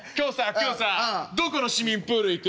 今日さどこの市民プール行く？